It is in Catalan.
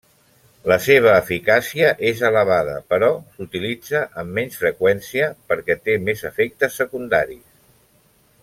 La seva eficàcia és elevada però s'utilitza amb menys freqüència perquè té més efectes secundaris.